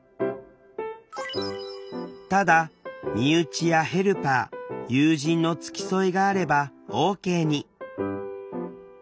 ただ身内やヘルパー友人の付き添いがあればＯＫに。